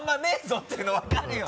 っていうの分かるよな